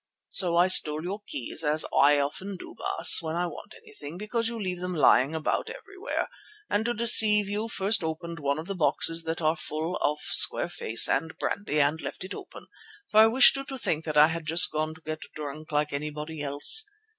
"So I stole your keys, as I often do, Baas, when I want anything, because you leave them lying about everywhere, and to deceive you first opened one of the boxes that are full of square face and brandy and left it open, for I wished you to think that I had just gone to get drunk like anybody else.